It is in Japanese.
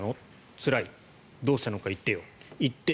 つらいどうしたのか言ってよ。